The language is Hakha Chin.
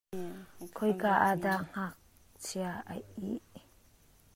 Khoi ka ah dah ngakchia a it?